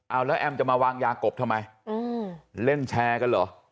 เอาแล้วแอมจะมาวางยากบทำไมเล่นแชร์กันเหรอ